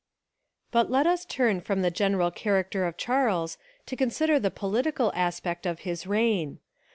But let us turn from the general character of Charles to consider the political aspect of his reign.